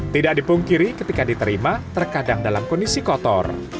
tidak dipungkiri ketika diterima terkadang dalam kondisi kotor